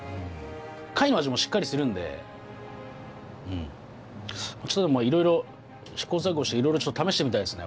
貝の味もシッカリするんでうんいろいろ試行錯誤していろいろちょっと試してみたいですね